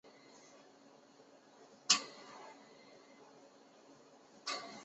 我不敢跨过